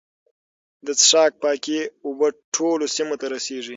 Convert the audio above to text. د څښاک پاکې اوبه ټولو سیمو ته رسیږي.